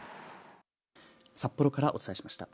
札幌からお伝えしました。